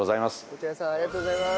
落合さんありがとうございます。